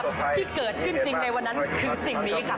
ของท่านได้เสด็จเข้ามาอยู่ในความทรงจำของคน๖๗๐ล้านคนค่ะทุกท่าน